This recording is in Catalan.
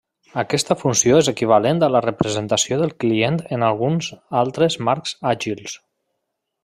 Aquesta funció és equivalent a la representació del client en alguns altres marcs àgils.